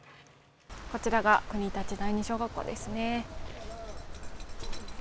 こちらが国立第二小学校ですね。